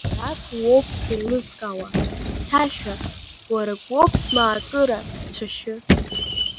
Уарак уоуп сеилызкаауа, сашәа, уарак уоуп смаакыра, сцәашьы.